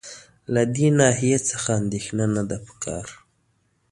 له دې ناحیې څخه اندېښنه نه ده په کار.